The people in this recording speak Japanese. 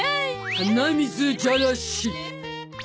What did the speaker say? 鼻水じゃらし。